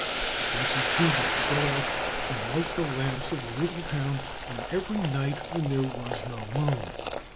It was his duty to go out and light the lamps of the little town on every night when there was no moon.